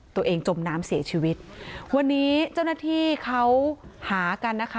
จมน้ำเสียชีวิตวันนี้เจ้าหน้าที่เขาหากันนะคะ